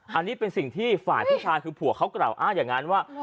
อันนี้เป็นสิ่งที่ฝ่ายผู้ชายคือผัวเขากล่าวอ้างอย่างนั้นว่า